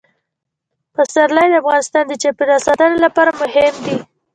پسرلی د افغانستان د چاپیریال ساتنې لپاره مهم دي.